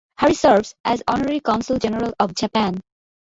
Harris serves as Honorary Consul General of Japan.